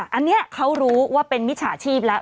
อันนี้เขารู้ว่าเป็นมิจฉาชีพแล้ว